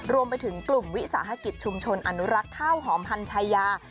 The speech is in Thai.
รวมไปถึงกลุ่มวิสาหกิจชุมชนอนุรักษ์ข้าวหอมพันชายา